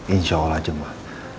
insya allah jemaah